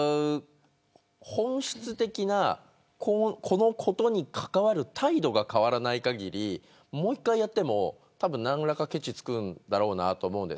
本質的なこのことに関わる態度が変わらないかぎりもう一回やっても何らかのけちはつくだろうなと思うんです。